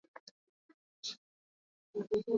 Un tā vienmēr notiek, ka cilvēki paliek?